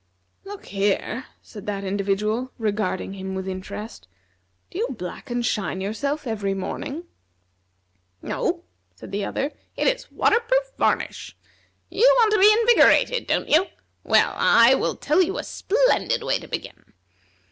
"Look here," said that individual, regarding him with interest, "do you black and shine yourself every morning?" "No," said the other, "it is water proof varnish. You want to be invigorated, don't you? Well, I will tell you a splendid way to begin.